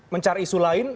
mencari isu lain